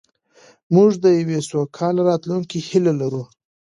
موږ د یوې سوکاله راتلونکې هیله لرو.